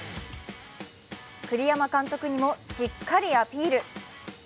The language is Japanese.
栗山監督にもしっかりアピール。